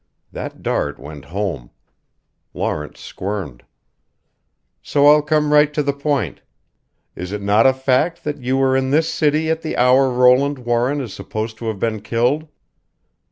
That dart went home Lawrence squirmed. "So I'll come right to the point. Is it not a fact that you were in this city at the hour Roland Warren is supposed to have been killed?"